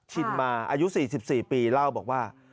ชินมาอายุ๔๔ปีเล่าบอกว่า